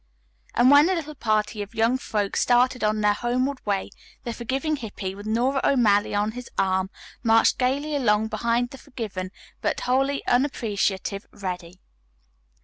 And when the little party of young folks started on their homeward way the forgiving Hippy with Nora O'Malley on his arm marched gayly along behind the forgiven, but wholly unappreciative Reddy.